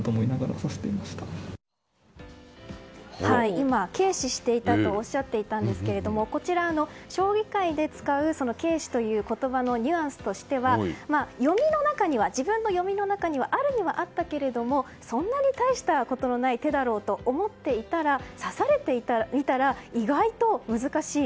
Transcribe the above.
今、軽視していたとおっしゃっていたんですが将棋界で使う、軽視という言葉のニュアンスとしては自分の読みの中にはあるにはあったけれどもそんなに大したことのない手だろうと思っていたら指されて見たら意外と難しい。